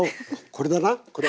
これだなこれ。